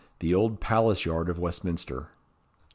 The old Palace Yard of Westminster.